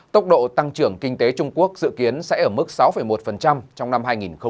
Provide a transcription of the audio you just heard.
tốc độ tăng trưởng kinh tế trung quốc dự kiến sẽ ở mức sáu một trong năm hai nghìn hai mươi